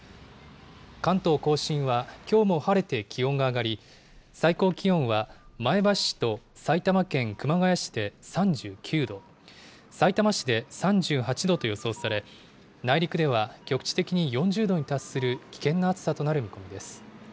関東甲信はきょうも晴れて気温が上がり、最高気温は前橋市と埼玉県熊谷市で３９度、さいたま市で３８度と予想され、内陸では局地的に４０度に達する危険な暑さとなる見込みです。